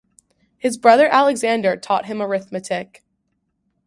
His brother Alexander taught him arithmetic.